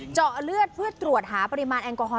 เจาะเลือดเพื่อตรวจหาปริมาณแอลกอฮอล